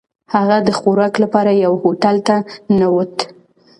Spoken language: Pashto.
هغه د خوراک لپاره یوه هوټل ته ننووت.